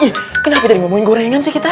ihh kenapa tadi mau main gorengan sih kita